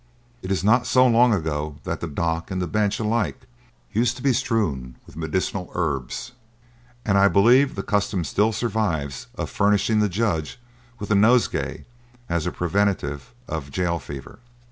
It is not so long ago that the dock and the bench alike used to be strewn with medicinal herbs, and I believe the custom still survives of furnishing the judge with a nosegay as a preventive of jail fever."